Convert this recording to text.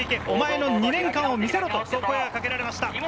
お前の２年間を見せろと、声をかけられました。